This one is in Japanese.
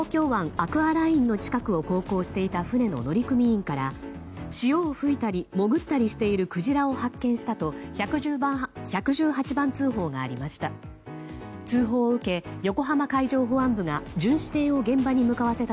アクアラインの近くを航行していた船の乗組員から潮を吹いたり潜ったりしているクジラを発見したと１１８番通報がありました。